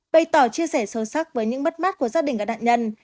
bày tỏ chia sẻ sâu sắc với những mất mát của gia đình các nạn nhân